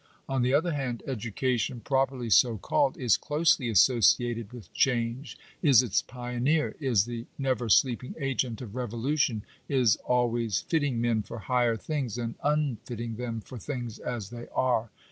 On the other hand, education, properly so called, is closely associated with change — is its pioneer — is the never sleeping agent of revolution — is always fitting men for higher things, and unfitting them for things as they are.